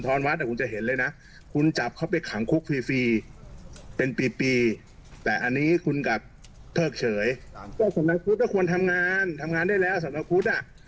เพราะสำนักพุทธก็ควรทำงานทำงานได้แล้วสำนักพุทธอ่ะ